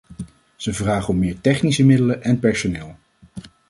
Ze vragen om meer technische middelen en personeel.